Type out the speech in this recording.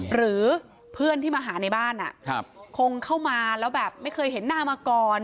หรือเพื่อนที่มาหาในบ้านคงเข้ามาแล้วแบบไม่เคยเห็นหน้ามาก่อน